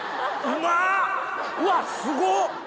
うわすごっ！